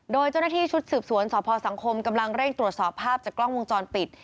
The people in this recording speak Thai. โดยเจ้าหน้าที่ชุดสืบสวนสพสังคมกำลังเร่งตรวจสอบภาพจากกล้องวงจรปิด